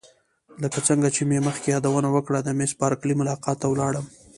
لکه څنګه چې مې مخکې یادونه وکړه د میس بارکلي ملاقات ته ولاړم.